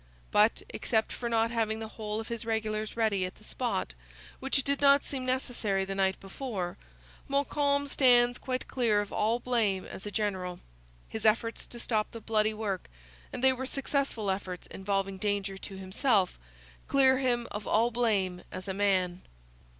But, except for not having the whole of his regulars ready at the spot, which did not seem necessary the night before, Montcalm stands quite clear of all blame as a general. His efforts to stop the bloody work and they were successful efforts involving danger to himself clear him of all blame as a man.